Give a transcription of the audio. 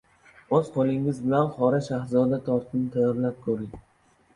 O‘z qo‘lingiz bilan “Qora shahzoda” tortini tayyorlab ko‘ring